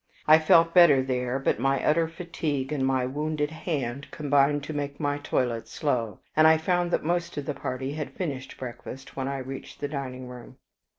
I felt better there; but my utter fatigue and my wounded hand combined to make my toilet slow, and I found that most of the party had finished breakfast when I reached the dining room.